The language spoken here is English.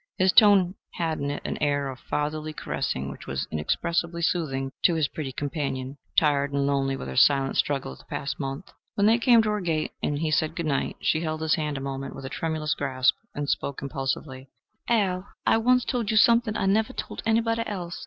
His tone had in it an air of fatherly caressing which was inexpressibly soothing to his pretty companion, tired and lonely with her silent struggle of the past month. When they came to her gate and he said good night, she held his hand a moment with a tremulous grasp, and spoke impulsively: "Al, I once told you something I never told anybody else.